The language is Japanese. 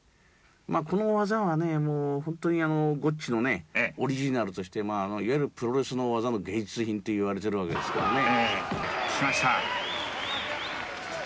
この技はゴッチのオリジナルとしていわゆるプロレスの技の芸術品といわれているわけですからね。